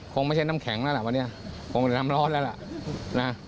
พอตั้งนานแล้วไม่ยอมออกเลย